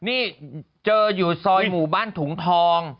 นี่เจออยู่ซอยหมู่บ้านถุงทอง